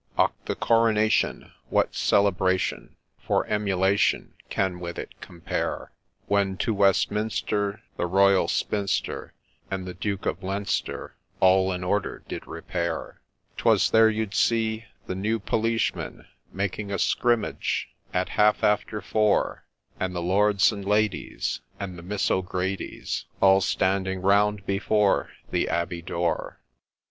OCR ! the Coronation ! what celebration For emulation can with it compare ? When to Westminster the Royal Spinster, And the Duke of Leinster, all in order did repair ! 'Twas there you'd see the New Polishemen Making a skrimmage at half after four, And the Lords and Ladies, and the Miss O'Gradys, All standing round before the Abbey door.